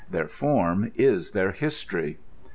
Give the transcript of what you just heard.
Their form is their history.